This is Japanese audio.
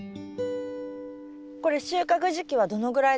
これ収穫時期はどのぐらいですか？